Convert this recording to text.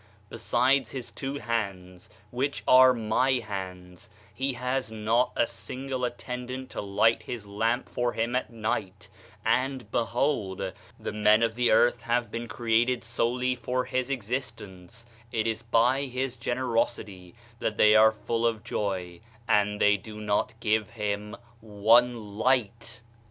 Besides his two hands, which are My hands, he has not a single attendant to light his lamp for him at night, and behold, the men of the earth have been created solely for his existence; it is by his generosity that they are full of joy, and they do not give him one light